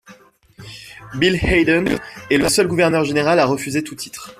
Bill Hayden est le seul gouverneur général à refuser tout titre.